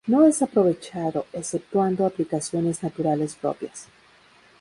No es aprovechado exceptuando aplicaciones naturales propias.